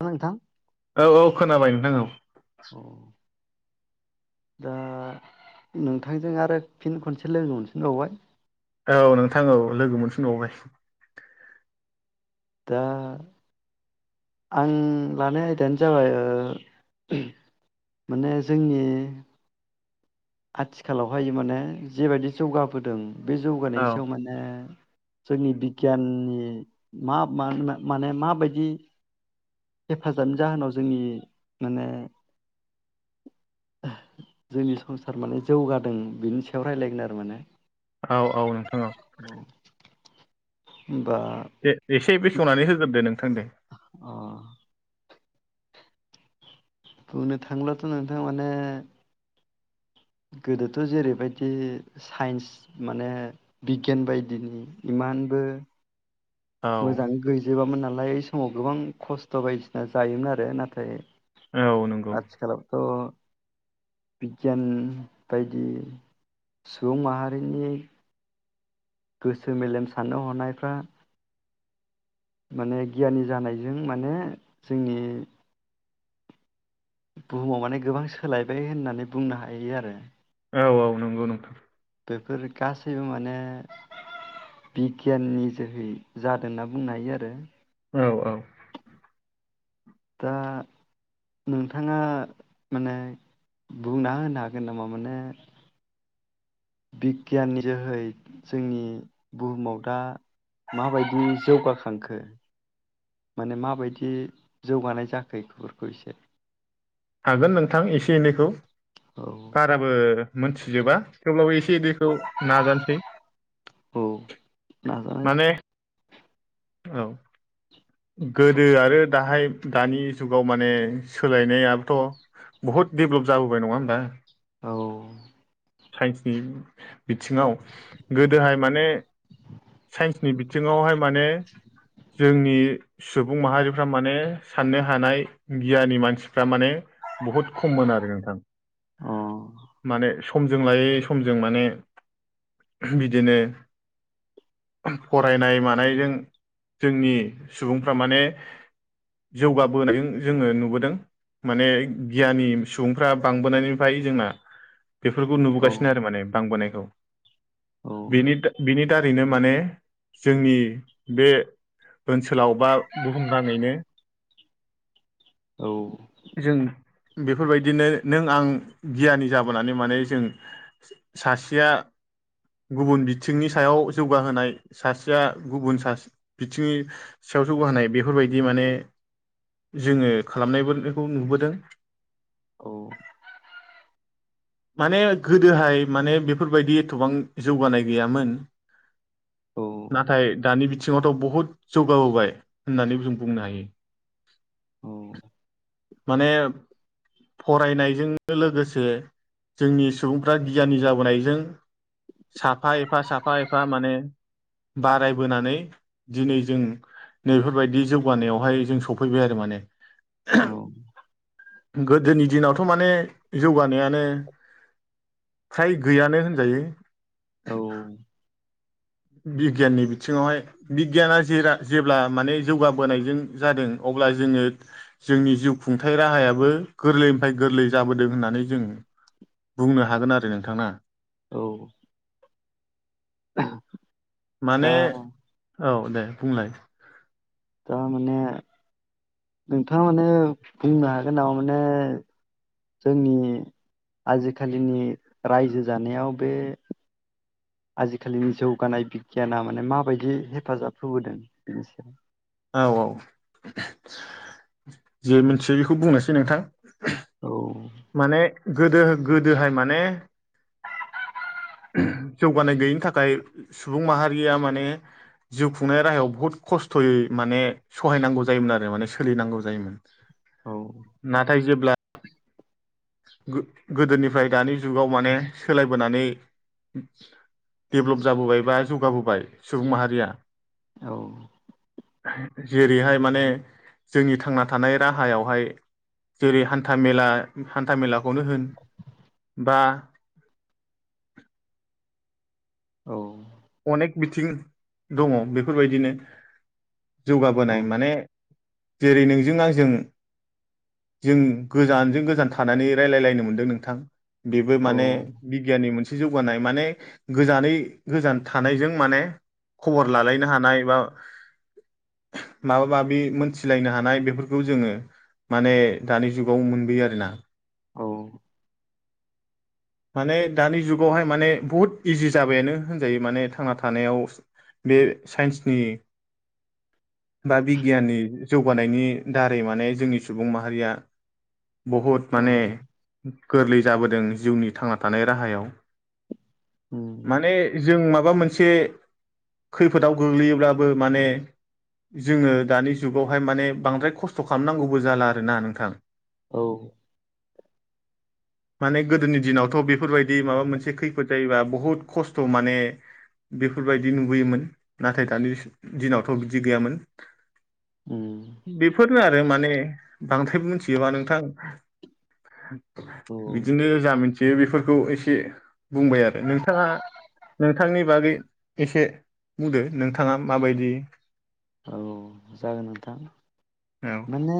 नोंथां औ औ खोनाबाय नोंथां औ अ दा नोंथांजों आरो फिन खनसे लोगो हमफिनबावबाय औ नोंथां औ लोगो मोनफिनबावबाय दा आं लानाय आयदायानो जाबाय माने जोंनि आथिखालावहाय माने जेबायदि जौगाबोदों बे जौगानाय औ सायाव माने जोंनि बिगियाननि मा माने माबायदि हेफाजाबनि जाहोनाव जोंनि माने जोंनि संसार माने जौगादों बिनि सायाव रायलायगोन आरो माने औ औ नोंथां औ होमबा दे एसे बेखेवनानै होग्रोदो नों अ बुंनो थांलाथ' नोंथां माने गोदोथ' जेरैबायदि साइन्स माने बिगियान बायदिनि इमानबो औ मोजां गैजोबामोन नालाय लाय समाव गोबां खस्थ' बायदिसिना जायोमोन आरो नाथाय औ नंगौ आथिखालावथ' [unintelligible] बिगियान बायदि सुबुं माहारिनि। गोसो मेलेम साननो हनायफ्रा। माने गियानि जानायजों माने जोंनि। बुहुमाव माने गोबां सोलायबाय होननानै बुंनो हायो आरो। औ औ नंगौ नोंथां। बेफोर गासैबो माने बिगियाननि जोहै जादों होनना बुंनो हायो आरो। औ औ। दा नोंथाङा माने बुंना होनो हागोन नामा माने। बिगियाननि जोहै जोंनि बुहुमाव दा माबायदि जौगाखांखो माने माबायदि जौगानाय जाखो बेखौफोरखौ एसे हागोन नोंथां एसे एनैखौ। औ बाराबो मोनथिजोबा थेवब्लाबो एसे दैखौ नाजानोसै औ नाजानाय माने। औ। गोदो आरो दाहाय दानि जुगाव माने सोलायनायाबोथ' बहुत डेभलप जाबोबाय नङा होमबा। औ। साइन्सनि बिथिङाव गोदोहाय माने साइन्सनि बिथिङावहाय माने जोंनि। सुबुं माहारिफ्रा माने साननो हानाय गियानि मानसि। फ्रा माने बुहुत खममोन आरो नोंथां अ माने समजों लायै समजों माने बिदिनो फरायनाय मानायजों जोंनि। सुबुंफ्रा माने जौगाबोनायजों जोङो नुबोदों माने गियानि सुबुंफ्रा बांबोनायनिफ्राय जोंना। बेफोरखौ औ नुबोगासिनो आरो माने बांबोनायखौ। औ [inaudible] बिनि बिनि। दारैनो माने जोंनि बे। ओनसोलाव बा बुहुमनााङैनो। औ। जों बेफोरबायदिनो नों आं गियानि जाबोनानै माने जों सासेया गुबुन बिथिंनि सायाव जौगाहोनाय सासेया गुबुन सा बिथिंनि सायाव जौगाहोनाय बेफोरबायदि माने जोङो खालामनायबो खौ नुबोदों। औ। माने गोदोहाय माने बेफोरबायदि एथबां जौगानाय गैयामोन। नाथाय दानि। सिङावथ' बुहुत जौगाबोबाय होननानै जों बुंनो हायो। माने फरायनायजों लोगोसे जोंनि सुबुंफ्रा गियानि जाबोनायजों साफा एफा साफा एफा माने बारायबोनानै दिनै जों नैफोरबायदि जौगानायावहाय जों सफैबाय आरो माने। औ। गोदोनि दिनावथ' माने जौगानायानो फ्राय गैयानो होनजायो। औ बिगियाननि बिथिङावहाय बिगियाना जेरा जेब्ला माने जौगाबोनायजों जादों अब्ला जोङो जोंनि जिउ खुंथाय राहायाबो गोरलैनिफ्राय गोरलै जाबोदों होननानै जों बुंनो हागोन आरो नोंथां ना। औ। दा माने औ दे। बुंलाय। तारमाने नोंथाङा माने बुंनो हागोन नामा माने जोंनि आजिखालिनि रायजो जानायाव बे। आजिखालिनि जौगानाय बिगियाना माने माबायदि हेफाजाब होबोदों बेनि सायाव। औ औ जि मिथियो बेखौ बुंनोसै नोंथां। औ। माने गोदो गोदोहाय माने जौगानाय गैयिनि थाखाय सुबुं माहारिया माने जिउ खुंनाय राहायाव बुहुद खस्थ'यै माने सहायनांगौ जायोमोन आरो माने सोलिनांगौ जायोमोन। औ नाथाय जेब्ला गो -गोदोनिफ्राय दानि जुगाव माने सोलायबोनानै डेभ्लप जाबोबाय बा जौगाबोबाय सुबुं माहारिया। औ जेरैहाय माने जोंनि थांना थानाय राहायावहाय जेरै हान्था मेला हान्थामेलाखौनो होन बा औ अनेक बिथिं दङ' बेफोरबायदिनो औ जौगाबोनाय माने जेरै नोंजों आंजों जों गोजानजों गोजान थानानै रायलायलायनो मोनदों नोंथां। बेबो माने औ बिगियाननि मोन जौगानाय माने गोजानै गोजान थानायजों माने खबर लालायनो हानाय बा माबा माबि मोनथिलायनो हानाय बेफोरखौ जोङो माने दानि जुगाव मोनबोयो आरो ना औ माने दानि जुगावहाय माने बुहुत इजि जाबायानो होनजायो माने थांना थानायाव बे साइन्सनि बा बिगियाननि जौगानायनि दारै माने जोंनि सुबुं माहारिया बहुत औ माने गो गोरलै जाबोदों जिउनि थांना थानाय राहायाव उम माने जों मा माबा मोनसे खैफोदाव गोग्लैयोब्लाबो माने जोङो दानि जुगावहाय माने बांद्राय खस्थ' खालामनांगौबो जाला आरोना नोंथां। औ माने गोदोनि दिनाव थ' बेफोरबायदि माबा मोनसे खैफोद जायोबा बुहुत खस्थ' माने बेफोरबायदि नुबोयोमोन नाथाय दानि दिनावथ' बिदि गैयामोन। उम बिब बेफोरनो आरो माने बांद्राय मिथियोबा नोंथां औ बिदिनो जा मिनथि यो बेफोरखौ एसे बुंबाय आरो नोंथाङा नोंथांनि बागै एसे बुंदो नोंथाङा माबायदि औ जागोन नोंथां औ माने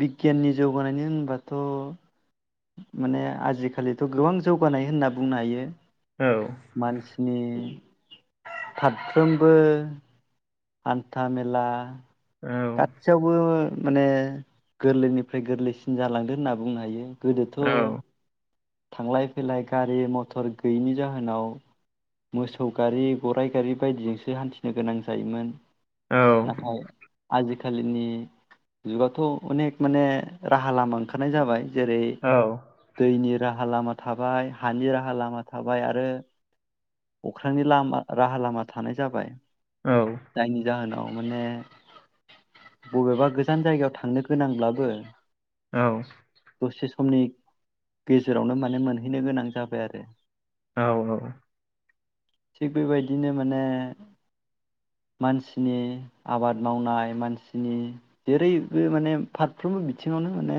बि गियाननि जौगानायनि होनबाथ' माने आजिखालिथ' गोबां जौगानाय होनना बुंनो हायो। औ नि फारफ्रोमबो हान्था मेला औ गासैयावबो माने गोरलैनिफ्राय गोरलैसिन जालांदो होनना बुंनो हायो। गोदोथ' औ थांलाय फैलाय गारि मथर गैयिनि जाहोनाव मोसौ गारि, गराइ गारि बायदिजोंसो हान्थिनो गोनां जायोमोन। औ नाथाय आजिखालिनि जुगावथ' अनेक माने राहा लामा ओंखारनाय जाबाय। जेरै दैनि राहा लामा थाबाय हानि राहा लामा थाबाय आरो अख्रांनिलामा राहा लामा थानाय जाबाय। औ जायनि जाहोनाव माने बबेबा गोजान जायगायाव थांनो गोनांब्लाबो औ दसे समनि गेजेरावनो माने मोनहैनो गोनां जाबाय आरो औ औ। थिग बेबायदिनो माने मानसिनि आबाद मावनाय मानसिनि जेरैबो माने फारफ्रोमबो बिथिङावनो माने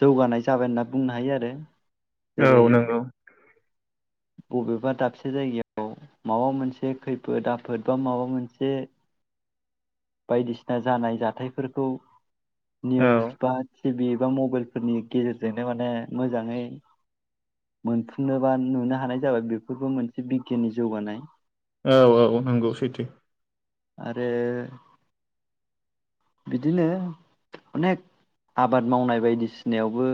जौगानाय जाबाय होनना बुंनो हायो आरो जेरै औ नंगौ। बबेबा दाबसे जायगायाव माबा मोनसे खैफोद आफोद बा माबा मोनसे बायदिसिना जानाय जाथायफोरखौ औ निउस बास टि बि बा मबाइल फोरनि गेजेरजोंनो माने मोजाङै मोनफुंनोबा नुनो हानाय जाबाय बेफोरबो मोनसे बिगियाननि जौगानाय। औ औ नंगौ सैथो। आरो बिदिनो अनेक आबाद मावनाय बायदिसिन फिनायावबो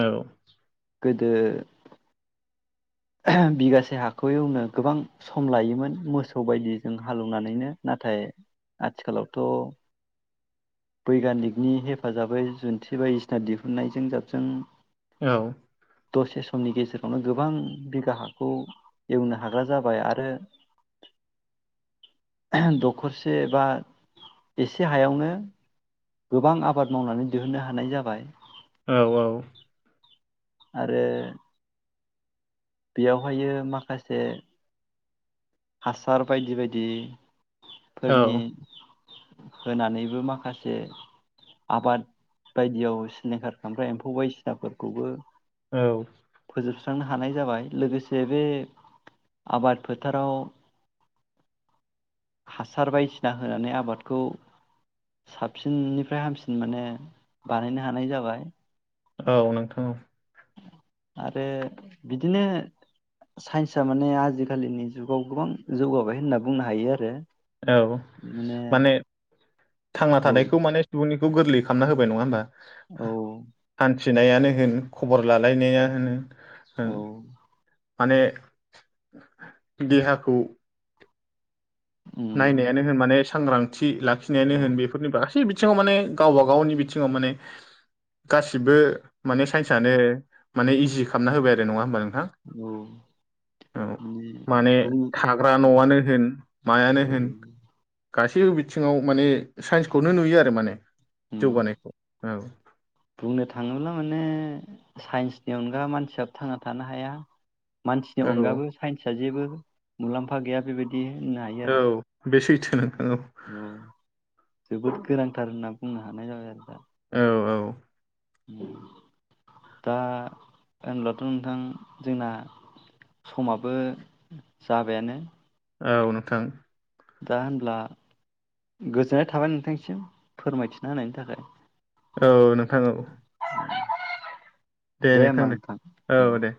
औ। गोदो बिगासे हाखौ एवनो गोबां सम लायोमोन मोसौ बायदिजों हालेवनानैनो नाथाय आथिखालावथ' बैगानिकनि हेफाजाबै जुन्थि बायदिसिना दिहुनन्नायजों जाबजों औ। दसे समनि गेजेरावनो गोबां बिगा हाखौ एवनो हाग्रा जाबाय आरो दखरसे बा एसे हायावनो गोबां आबाद मावनानै दिहुननो हानाय जाबाय। औ औ। आरो बेयावहायो माखासे हासार बायदि बायदि। औ फोरनि होनानैबो माखासे आबाद बायदियाव सिलिंखार खामख्रा एम्फौ बायदिसिनाफोरखौबो औ। सुस्रांनो हानाय जाबाय लोगोसे बे आबाद फोथाराव हासार बायदिसिना होनानै आबादखौ साबसिननिफ्राय हामसिन माने बानायनो हानाय जाबाय। औ नोंथां औ। आरो बिदिनो साइन्सआ माने आजिखालिनि जुगाव गोबां जौगाबाय होनना बुंनो हायो आरो औ माने थांना औ थानायखौ माने सुबुंनि खौ गोरलै खालाम होबाय नङा होमबा। औ। थिनायानो होन खबर लालायनाया होन औ ओं। माने देहाखौ उम नायनायानो होन माने सांग्रां थि लाखिनायानो औ होन बेफोरनि गासै थिङाव माने गावबा गावनि बिथिङाव माने गासिबो माने साइन्सानो माने इजि खालामना होबाय आरो नङा होमबा नों थां, औ औ माने थाग्रा न'आनो होन मायानो औ होन गासैबो बिथिङाव माने साइन्सखौनो नुयो आरो माने उम जौगानायखौ औ बुंनो थाङोब्ला माने साइन्सनि अनगा मानसियाबो थांना थानो हाया। मानसिनि औ अनगाबो साइन्सआ जेबो मुलाम्फा गैया बेबादि दि होननो हायो औ आरो। बे सैथो औ औ जोबोद गोनांथार होनना बुंनो हानाय जाबाय आरो दा औ औ दा होनब्लाथ' नोंथां जोंना समाबो जाबायानो। औ नोंथां दा होनब्ला गोजोननाय थाबाय नोंथांसिम फोरमायथिना होनायनि थाखाय औ नों थां औ दे नोंथां दे औ दे।